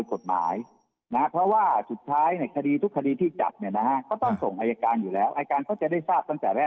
จะนะครับความระเบียบความทำจำ